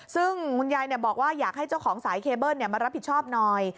ซึ่งคุณยายบอกว่าอยากให้เจ้าของสายเคเบิ้ลมารับผิดชอบหน่อย